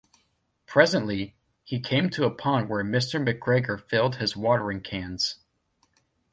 Presently, he came to a pond where Mr McGregor filled his watering cans.